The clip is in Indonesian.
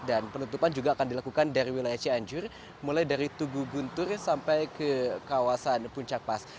dan penutupan juga akan dilakukan dari wilayah cianjur mulai dari tugu guntur sampai ke kawasan puncak pas